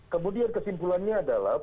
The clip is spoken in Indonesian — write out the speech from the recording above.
kemudian kesimpulannya adalah